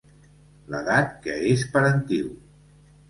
L'edat que és parentiu.